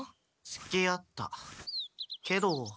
つきあったけど。